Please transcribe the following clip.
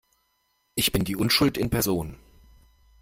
Ich bin die Unschuld in Person!